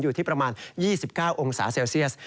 อยู่ที่ประมาณ๒๙องศาเซลเซียส